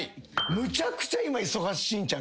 むちゃくちゃ今忙しいんちゃう？